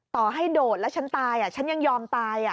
ต่อให้โดดแล้วฉันตายฉันยังยอมตาย